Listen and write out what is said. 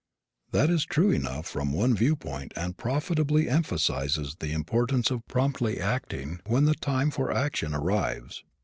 That is true enough from one viewpoint and profitably emphasizes the importance of promptly acting when the time for action arrives.